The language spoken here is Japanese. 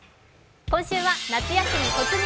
今週は「夏休み突入！